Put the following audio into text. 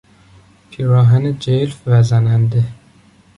پیراهن جلف و زننده